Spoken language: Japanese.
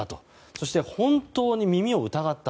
そして、本当に耳を疑った。